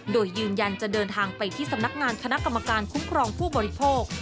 โดยยืนยันจะเดินทางไปที่สำนักงานคณะกรรมการคุ้มครองผู้บริโภค